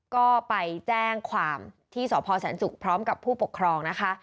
ก็ไปแจ้งความที่สศศพร้อมกับผู้ปกครองนะคะ